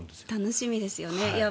楽しみですよね。